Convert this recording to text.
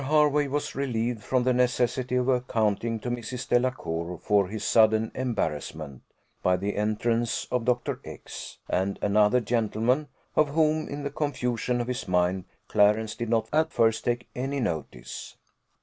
Hervey was relieved from the necessity of accounting to Mrs. Delacour for his sudden embarrassment, by the entrance of Dr. X and another gentleman, of whom, in the confusion of his mind, Clarence did not at first take any notice.